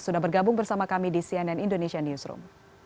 sudah bergabung bersama kami di cnn indonesia newsroom